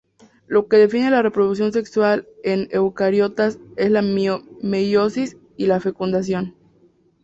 Lo que define la reproducción sexual en eucariotas es la meiosis y la fecundación.